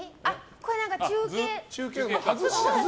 これ、中継の。